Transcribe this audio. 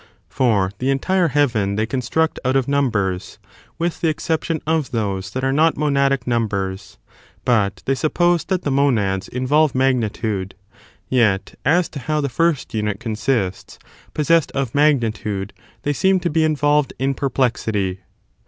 For the entire ot^e" for an heaven they construct out of numbers — with the *'^"exception of those that are not monadic numbers — ^but they suppose that the monads involve magnitude ; yet .as to how the first, unit consists, possessed of magnitude, they seem to be involved in perplexity.